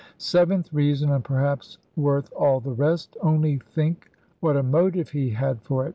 Seventh reason, and perhaps worth all the rest only think what a motive he had for it.